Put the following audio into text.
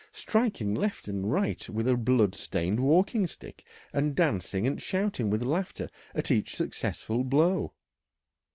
striking left and right with a blood stained walking stick, and dancing and shouting with laughter at each successful blow.